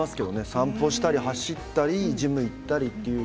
散歩したり走ったりジムに行ったり。